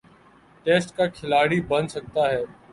Test کا کھلاڑی بن سکتا ہے۔